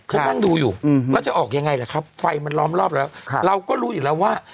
เขานั่งดูอยู่แล้วจะออกยังไงล่ะครับไฟมันล้อมรอบแล้วเราก็รู้อยู่แล้วว่า